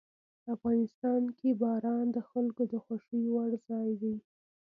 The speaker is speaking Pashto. افغانستان کې باران د خلکو د خوښې وړ ځای دی.